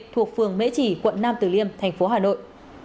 thuộc phường mễ chỉ quận nam tử liêm tp hà nội